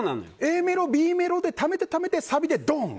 ＡメロＢメロでためてためてサビでドーン！